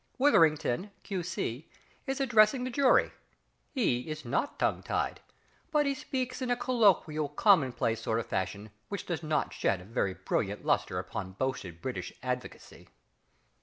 WITHERINGTON, Q.C., is addressing the jury. He is not a tongue tied, but he speaks in a colloquial, commonplace sort of fashion which does not shed a very brilliant lustre upon boasted British advocacy.